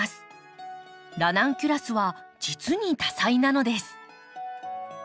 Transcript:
ラナンキュラスは実に多彩なのです。